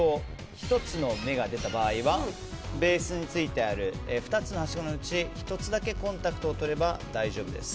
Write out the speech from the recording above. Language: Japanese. １つの目が出た場合はベースについてある２つのはしごのうち１つだけコンタクトをとれば大丈夫です。